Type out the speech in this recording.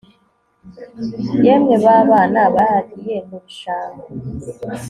Yemwe ga bana baragiye mu bishanga